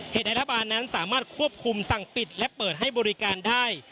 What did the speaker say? เหตุรัฐบาลนั้นสามารถควบคุมสั่งปิดและเปิดให้บริการได้